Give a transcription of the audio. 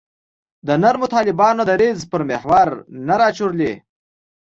د نرمو طالبانو دریځ پر محور نه راچورلي.